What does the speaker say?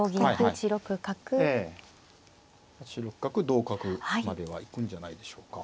８六角同角までは行くんじゃないでしょうか。